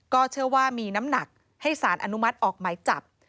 เชื่อว่ามีน้ำหนักให้สารอนุมัติออกหมายจับ